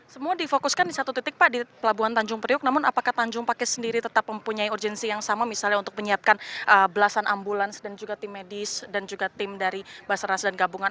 semua difokuskan di satu titik pak di pelabuhan tanjung priuk namun apakah tanjung pakis sendiri tetap mempunyai urgensi yang sama misalnya untuk menyiapkan belasan ambulans dan juga tim medis dan juga tim dari basarnas dan gabungan